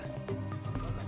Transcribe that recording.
polisi lantas berkata